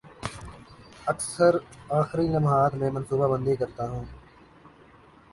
اکثر آخری لمحات میں منصوبہ بندی کرتا ہوں